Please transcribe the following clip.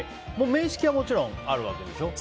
面識はもちろんあるわけでしょ。